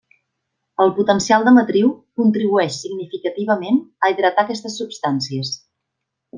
El potencial de matriu contribueix significativament a hidratar aquestes substàncies.